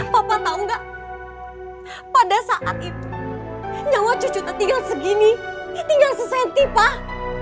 papa tau ga pada saat itu nyawa cucu teh tinggal segini tinggal sesenti pak